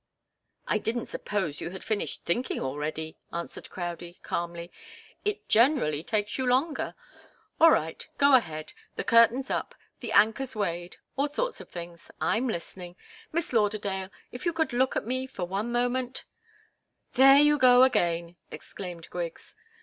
"I didn't suppose you had finished thinking already," answered Crowdie, calmly. "It generally takes you longer. All right. Go ahead. The curtain's up! The anchor's weighed all sorts of things! I'm listening. Miss Lauderdale, if you could look at me for one moment " "There you go again!" exclaimed Griggs.